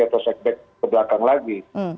atau setback ke belakang lagi